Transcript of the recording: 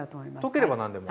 溶ければ何でも。